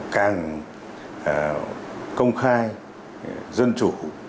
càng công khai dân chủ